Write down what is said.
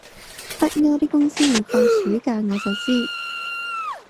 北歐啲公司會放暑假我就知